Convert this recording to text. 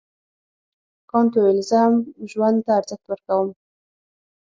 کانت وویل زه هم ژوند ته ارزښت ورکوم.